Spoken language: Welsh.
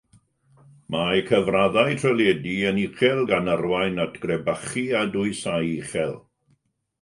Mae cyfraddau tryledu yn uchel gan arwain at grebachu a dwysau uchel.